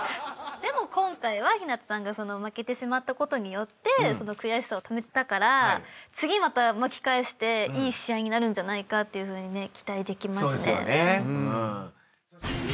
でも今回は陽向さんが負けてしまったことによって悔しさをためたから次また巻き返していい試合になるんじゃないかって期待できますね。